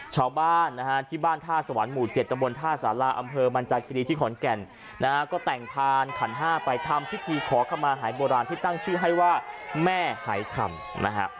ชาวบ้านนะฮะที่บ้านท่าสวรรค์หมู่๗ตะบนท่าสาราอำเภอมันจากคิรีที่ขอนแก่นนะฮะก็แต่งพานขันห้าไปทำพิธีขอขมาหายโบราณที่ตั้งชื่อให้ว่าแม่หายคำนะฮะ